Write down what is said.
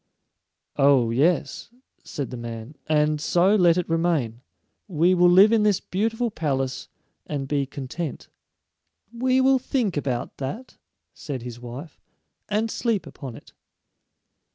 "Oh, yes," said the man; "and so let it remain. We will live in this beautiful palace and be content." "We will think about that," said his wife, "and sleep upon it."